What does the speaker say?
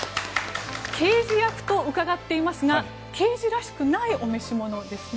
刑事役と伺っていますが刑事らしくないお召し物ですね。